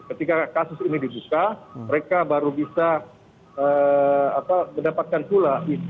ketika kasus ini dibuka mereka baru bisa mendapatkan pula